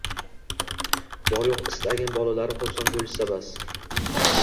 Bor-yo`q istagim bolalarim xursand bo`lishsa, bas